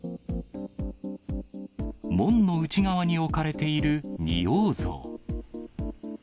門の内側に置かれている仁王像。